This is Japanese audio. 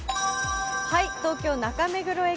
東京・中目黒駅